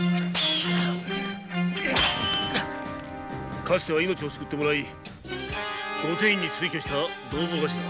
かつては命を救ってもらい御典医に推挙した同朋頭